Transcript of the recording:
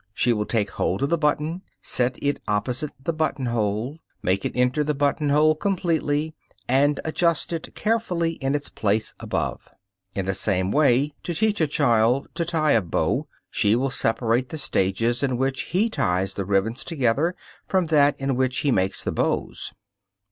She will take hold of the button, set it opposite the buttonhole, make it enter the buttonhole completely, and adjust it carefully in its place above. In the same way, to teach a child to tie a bow, she will separate the stage in which he ties the ribbons together from that in which he makes the bows.